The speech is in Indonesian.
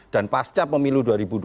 dan pasca pemilu dua ribu dua puluh empat